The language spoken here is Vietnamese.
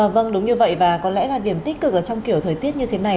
vâng đúng như vậy và có lẽ là điểm tích cực ở trong kiểu thời tiết như thế này